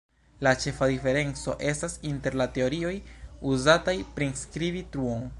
La ĉefa diferenco estas inter la teorioj uzataj priskribi truon.